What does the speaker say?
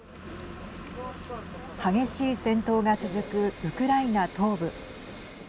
激しい戦闘が続くウクライナ東部。